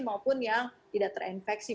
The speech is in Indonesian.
maupun yang tidak terinfeksi